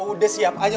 udah siap aja